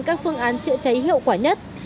các phương án trựa cháy hiệu quả nhất